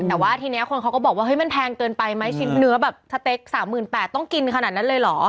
แต่ว่าทีนี้คนเขาก็บอกว่าเฮ้ยมันแพงเกินไปไหมชิ้นเนื้อแบบสเต็ก๓๘๐๐ต้องกินขนาดนั้นเลยเหรอ